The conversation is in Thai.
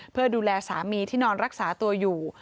เพื่อดูแลสามีที่นอนรักษาตัวอยู่